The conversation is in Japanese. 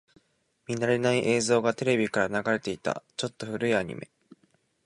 見慣れない映像がテレビから流れていた。ちょっと古いアニメ。